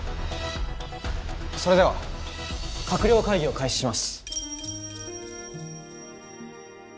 それでは閣僚会議を開始します。